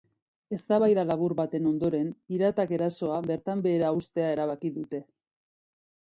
Eztabaida labur baten ondoren, piratak erasoa bertan behera uztea erabaki dute.